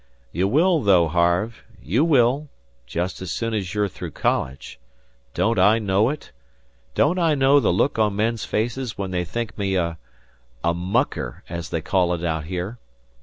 "You will, though, Harve. You will just as soon as you're through college. Don't I know it? Don't I know the look on men's faces when they think me a a 'mucker,' as they call it out here?